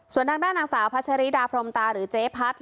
ส่วนด้านหน้านางสาวพัชรีดาพรมตาหรือเจ๊พัฒน์